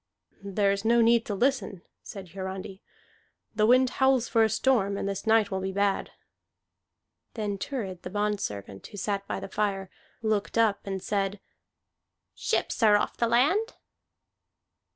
"There is no need to listen," said Hiarandi. "The wind howls for a storm, and this night will be bad." Then Thurid the bondservant, who sat by the fire, looked up and said, "Ships are off the land."